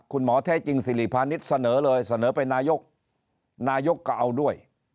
คุณหมอแท้จริงสิริพาณิชย์เสนอเลยเสนอเป็นนายกนายกก็เอาด้วย